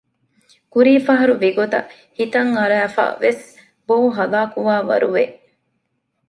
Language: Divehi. ކުރީފަހަރު ވިގޮތް ހިތަށް އަރައިފަވެސް ބޯ ހަލާކުވާ ވަރު ވެ